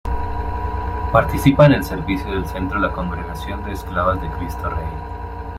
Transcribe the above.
Participa en el servicio del centro la Congregación de Esclavas de Cristo Rey.